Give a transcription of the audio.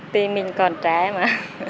tiền mình còn trả mà